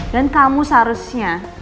dan kamu seharusnya